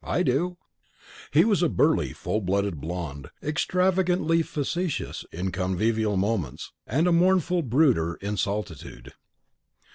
I do!" He was a burly full blooded blond, extravagantly facetious in convivial moments, and a mournful brooder in solitude.